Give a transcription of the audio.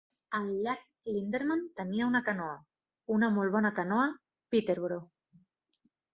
Al llac Linderman tenia una canoa, una molt bona canoa Peterborough.